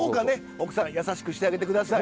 奥さん優しくしてあげて下さい。